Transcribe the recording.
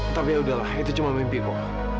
tapi ya udahlah itu cuma mimpi kok